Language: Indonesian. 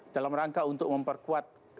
dalam rangka untuk memperkuat